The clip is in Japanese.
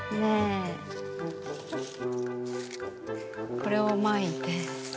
これをまいて。